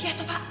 iya tuh pak